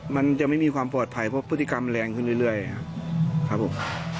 มันจะไม่มีความปลอดภัยเพราะพฤติกรรมแรงขึ้นเรื่อยครับครับผม